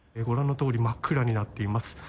ご覧のとおり真っ暗になっています。